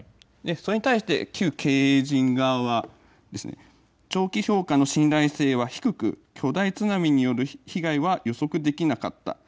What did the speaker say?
それに対して旧経営陣側は、長期評価の信頼性は低く、巨大津波による被害は予測できなかった。